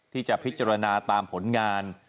ที่จะพิจารณาตามผลงาน